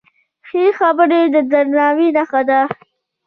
ښې خبرې د درناوي نښه ده.